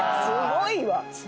すごいわ。